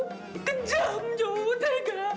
kejam jo tega